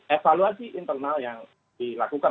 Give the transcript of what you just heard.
evaluasi internal yang dilakukan